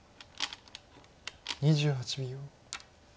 ２８秒。